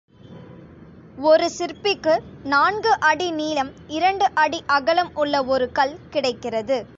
ஒரு சிற்பிக்கு நான்கு அடி நீளம், இரண்டு அடி அகலம் உள்ள ஒரு கல் கிடைக்கிறது.